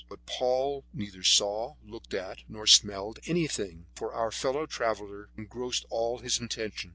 But Paul neither saw, looked at, nor smelled anything, for our fellow traveller engrossed all his attention.